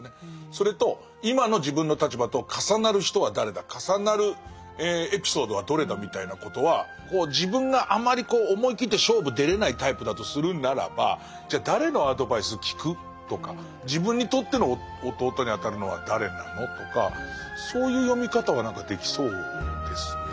それと今の自分の立場と重なる人は誰だ重なるエピソードはどれだみたいなことは自分があまり思い切って勝負出れないタイプだとするならばじゃあ誰のアドバイス聞く？とか自分にとっての弟にあたるのは誰なの？とかそういう読み方は何かできそうですね。